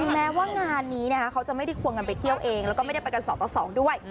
แม้ว่างานนี้เขาจะไม่ได้ควงกันไปเที่ยวเองแล้วก็ไม่ได้ไปกัน๒ต่อ๒ด้วย